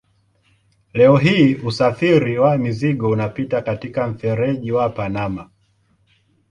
Leo hii usafiri wa mizigo unapita katika mfereji wa Panama.